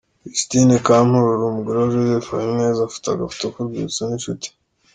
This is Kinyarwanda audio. Justine Kampororo umugore wa Joseph Habineza afata agafoto ku rwibutso n'inshuti.